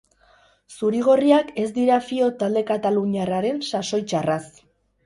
Zuri-gorriak ez dira fio talde kataluniarraren sasoi txarraz.